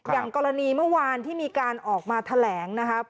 อย่างกรณีเมื่อวานที่มีการออกมาแถลงนะครับ